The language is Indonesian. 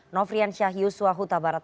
novrian syah yusua hutabarat